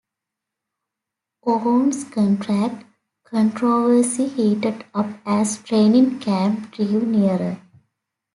Owens's contract controversy heated up as training camp drew nearer.